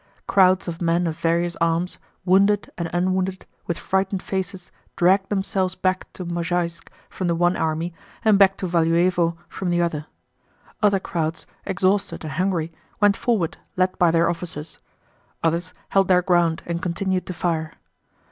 Crowds of men of various arms, wounded and unwounded, with frightened faces, dragged themselves back to Mozháysk from the one army and back to Valúevo from the other. Other crowds, exhausted and hungry, went forward led by their officers. Others held their ground and continued to fire.